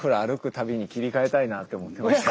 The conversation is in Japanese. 旅に切り替えたいなって思ってました。